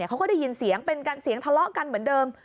เขาก็ได้ยินเสียงทะเลาะกันเหมือนเดิม